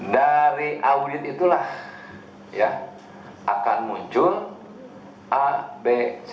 dari audit itulah akan muncul ab